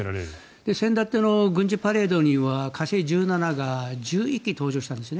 先だっての軍事パレードには火星１７が１１基登場したんですね。